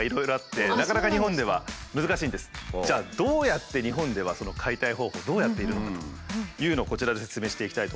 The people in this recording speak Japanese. じゃあどうやって日本ではその解体方法どうやっているのかというのをこちらで説明していきたいと思います。